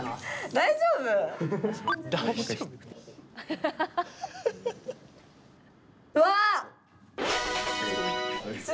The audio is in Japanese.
大丈夫？わ！